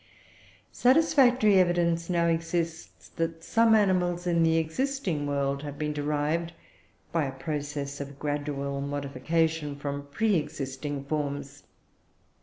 Satisfactory evidence now exists that some animals in the existing world have been derived by a process of gradual modification from pre existing forms.